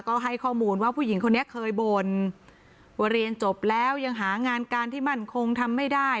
ก็ให้ข้อมูลว่าผู้หญิงคนนี้เคยบ่นว่าเรียนจบแล้วยังหางานการที่มั่นคงทำไม่ได้